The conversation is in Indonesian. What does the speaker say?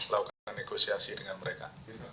lakukan negosiasi dengan mereka